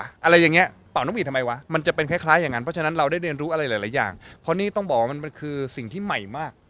อะไรอย่างเงี้เป่านกหวีดทำไมวะมันจะเป็นคล้ายอย่างนั้นเพราะฉะนั้นเราได้เรียนรู้อะไรหลายอย่างเพราะนี่ต้องบอกว่ามันคือสิ่งที่ใหม่มาก